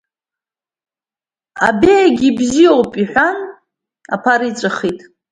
Абеиагьы ибзиоуп иҳәан, аԥара иҵәахит.